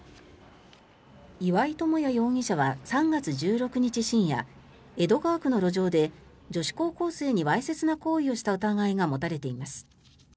岩井友哉容疑者は３月１６日深夜江戸川区の路上で女子高校生にわいせつな行為をした疑いが持たれています。